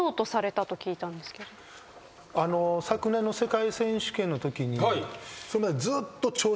昨年の世界選手権のときにそれまで。